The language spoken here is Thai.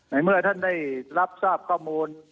เมื่อท่านได้รับทราบข้อมูล